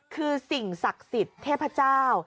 คือสิ่งศักดิ์สิทธิ์เทพเจ้า